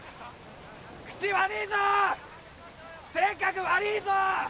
口悪いぞ性格悪いぞ！